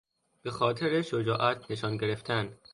به خاطر شجاعت نشان گرفتن